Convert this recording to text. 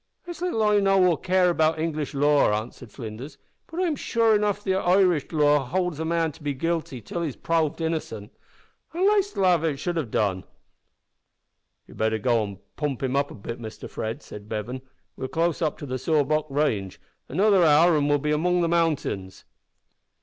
"It's little I know or care about English law," answered Flinders, "but I'm sure enough that Irish law howlds a bad man to be guilty till he's proved innocent at laste av it dosn't it should." "You'd better go an' pump him a bit, Mr Fred," said Bevan; "we're close up to the Sawback range; another hour an' we'll be among the mountains."